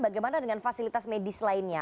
bagaimana dengan fasilitas medis lainnya